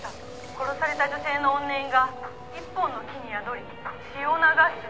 「殺された女性の怨念が一本の木に宿り血を流す」